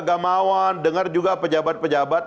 gamawan dengar juga pejabat pejabat